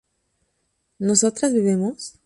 ¿nosotras bebemos?